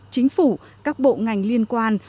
chính phủ các bộ ngành liên quan